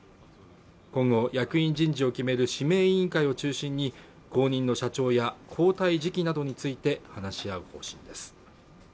今後役員人事を決める指名委員会を中心に後任の社長や交代時期などについて話し合う方針です